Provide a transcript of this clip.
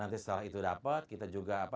nanti setelah itu dapat kita juga